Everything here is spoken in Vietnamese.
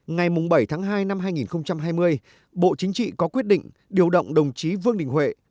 ngày bảy tháng hai năm hai nghìn hai mươi bộ chính trị có quyết định điều động đồng chí vương đình huệ